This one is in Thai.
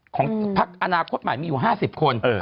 ของพักอาณาโฆษณ์หมายมีอยู่๕๐คน